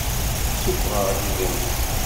Ssusfeɣ-d idammen.